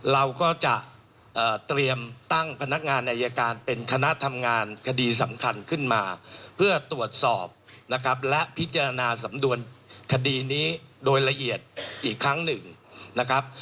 เราก็จะเตรียมตั้งพนักงานอายการเป็นคณะทำงานคดีสำคัญขึ้นมาเพื่อตรวจสอบนะครับและพิจารณาสำนวนคดีนี้โดยละเอียดอีกครั้งหนึ่งนะครับ